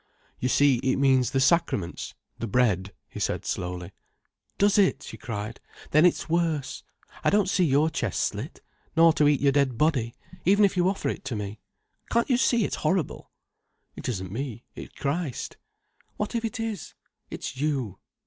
"You see, it means the Sacraments, the Bread," he said slowly. "Does it," she cried. "Then it's worse. I don't want to see your chest slit, nor to eat your dead body, even if you offer it to me. Can't you see it's horrible?" "It isn't me, it's Christ." "What if it is, it's you!